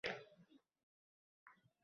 Men ularni taniyman… Garchi